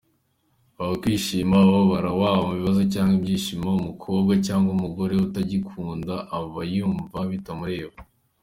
Wakwishima, wababara, waba mu bibazo cyangwa ibyishimo, umukobwa cyangwa umugore utakigukunda aba yumva bitamureba.